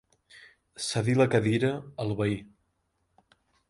Cedir la cadira al veí.